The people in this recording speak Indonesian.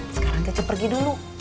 sekarang cece pergi dulu